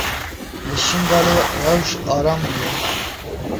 Li Şingalê rewş aram bûye.